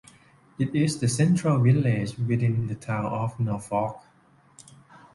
It is the central village within the town of Norfolk.